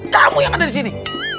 kamu yang ada di sini